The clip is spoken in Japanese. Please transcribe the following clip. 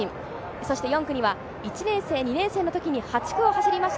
そして４区には１年生、２年生の時に８区を走りました